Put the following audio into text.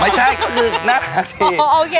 ไม่ใช่เขาหืดหน้าจริง